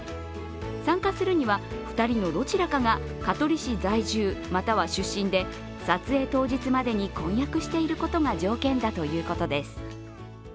参加するには２人のどちらかが香取市在住、または出身で、撮影当日までに婚約していることが条件だということです。